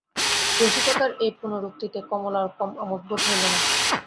রসিকতার এই পুনরুক্তিতে কমলার কম আমোদ বোধ হইল না।